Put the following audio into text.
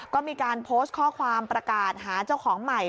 ก็มีการโพสต์ข้อความประกาศหาเจ้าของใหม่